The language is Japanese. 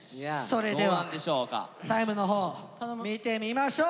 それではタイムのほう見てみましょう。